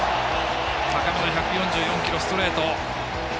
高めの１４４キロストレート。